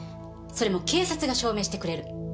それも警察が証明してくれる。